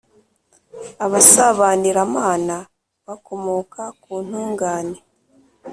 Abasabaniramana bakomoka ku ntungane